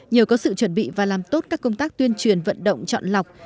nhờ có sự chuẩn bị và làm tốt các công tác tuyên truyền vận động chọn lọc